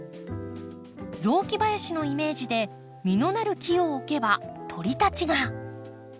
雑木林のイメージで実のなる木を置けば鳥たちが。